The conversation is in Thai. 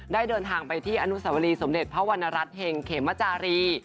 เดินทางไปที่อนุสวรีสมเด็จพระวรรณรัฐเห็งเขมจารี